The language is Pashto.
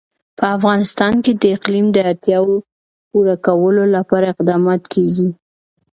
په افغانستان کې د اقلیم د اړتیاوو پوره کولو لپاره اقدامات کېږي.